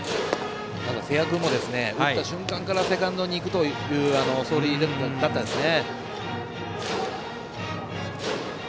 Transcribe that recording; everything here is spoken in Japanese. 瀬谷君も打った瞬間からセカンドに行くという走塁だったんですね。